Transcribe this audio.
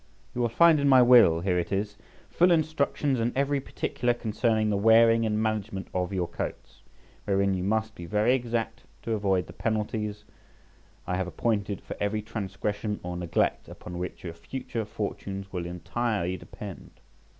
You will find in my will (here it is) full instructions in every particular concerning the wearing and management of your coats, wherein you must be very exact to avoid the penalties I have appointed for every transgression or neglect, upon which your future fortunes will entirely depend.